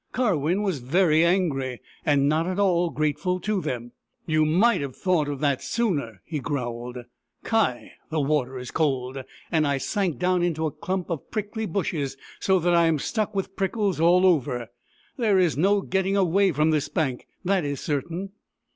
Karwin was very angry, and not at all grateful to them. " You might have thought of that sooner," he growled. " Ky ! the water is cold, and I sank down into a clump of prickly bushes, so that I am stuck with prickles all over. There is no getting away from this bank, that is certain."